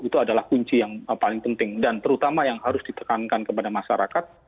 itu adalah kunci yang paling penting dan terutama yang harus ditekankan kepada masyarakat